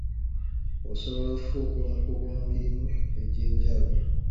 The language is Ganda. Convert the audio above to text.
Osobola okufuuka omukugu mu mirimu egy'enjawulo.